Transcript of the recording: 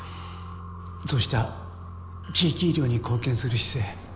そうした地域医療に貢献する姿勢